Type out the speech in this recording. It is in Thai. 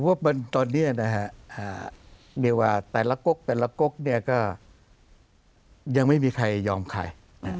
ผมว่าตอนนี้นะครับแต่ละก๊กแต่ละก๊กเนี่ยก็ยังไม่มีใครยอมใคร